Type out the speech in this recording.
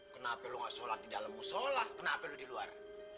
kenapa kamu tidak sholat di dalammu sholat kenapa kamu di luar